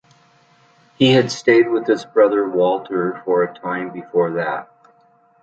He had stayed with his brother Walter for a time before that.